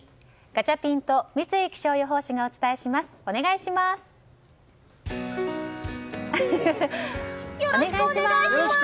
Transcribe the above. ガチャピンと三井気象予報士がお伝えします、お願いします。